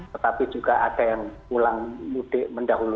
tetapi juga ada yang pulang mudik mendahulu